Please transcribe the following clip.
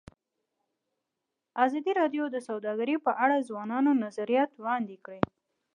ازادي راډیو د سوداګري په اړه د ځوانانو نظریات وړاندې کړي.